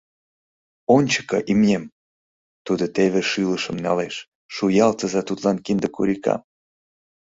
Ончыко, имнем!» «Тудо теве шӱлышым налеш, шуялтыза тудлан кинде курикам».